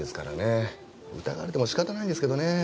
疑われても仕方ないんですけどね。